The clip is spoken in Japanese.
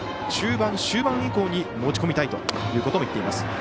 中盤、終盤以降に持ち込みたいということも言っています。